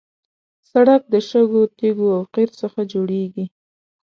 سړک د شګو، تیږو او قیر څخه جوړېږي.